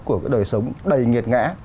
của cái đời sống đầy nghiệt ngã